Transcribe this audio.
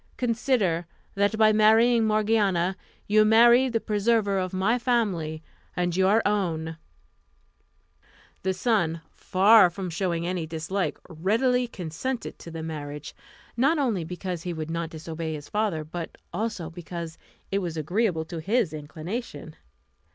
Consider, that by marrying Morgiana you marry the preserver of my family and your own," The son, far from showing any dislike, readily consented to the marriage; not only because he would not disobey his father, but also because it was agreeable to his inclination.